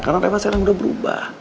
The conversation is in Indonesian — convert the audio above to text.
karena reva sekarang udah berubah